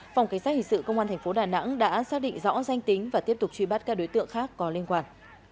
phòng cảnh sát hỷ sự công an thành phố đà nẵng đã xác định rõ danh tính và tiếp tục truy bắt các đối tượng khác có liên quan